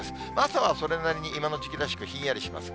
朝はそれなりに今の時期らしくひんやりします。